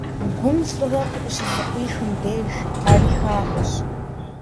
Гум лӀыгъэ къыщызыкъуихым деж, Ӏэри хахуэщ.